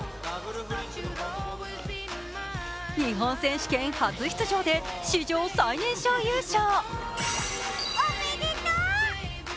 日本選手権初出場で史上最年少優勝。